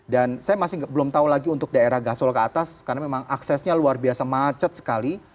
dan saya masih belum tahu lagi untuk daerah gasol ke atas karena memang aksesnya luar biasa macet sekali